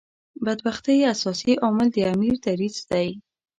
بدبختۍ اساسي عامل د امیر دریځ دی.